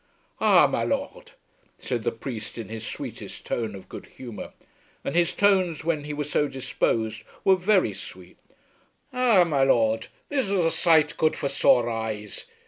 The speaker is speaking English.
"Ah, my Lord," said the priest in his sweetest tone of good humour, and his tones when he was so disposed were very sweet, "Ah, my Lord, this is a sight good for sore eyes.